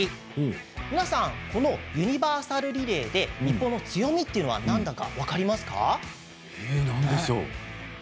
皆さんこのユニバーサルリレーで日本の強みっていうのはなんだか分かりますか？